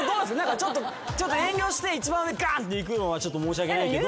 ちょっと遠慮して一番上ガーンっていくのは申し訳ないけど。